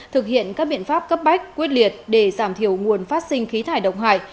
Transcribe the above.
thực hiện các biện pháp cấp bách quyết liệt để giảm thiểu nguồn phát sinh khí thải độc hại